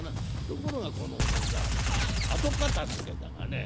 ところがこの何だ後片づけだがね